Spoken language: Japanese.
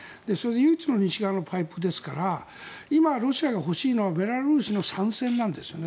唯一の西側のパイプですから今、ロシアが欲しいのはベラルーシの参戦なんです。